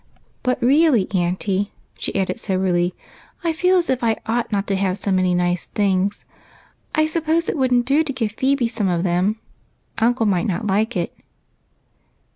"But really, auntie," she added so berly, " I feel as if I ought not to have so many nice things. I suppose it would n't do to give Phebe some of them ? Uncle might not like it."